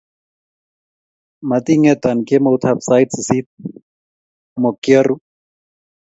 Mating'eta kemoutab sait sisit mo kiaruu